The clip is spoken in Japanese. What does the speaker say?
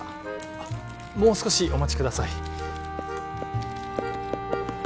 あっもう少しお待ちください